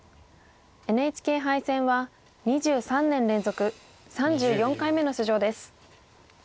ＮＨＫ杯戦は２３年連続３４回目の出場です。